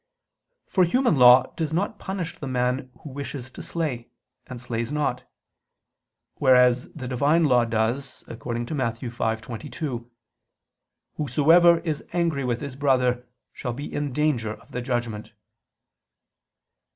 For human law does not punish the man who wishes to slay, and slays not: whereas the Divine law does, according to Matt. 5:22: "Whosoever is angry with his brother, shall be in danger of the judgment."